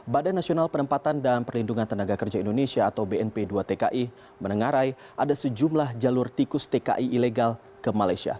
badan nasional penempatan dan perlindungan tenaga kerja indonesia atau bnp dua tki menengarai ada sejumlah jalur tikus tki ilegal ke malaysia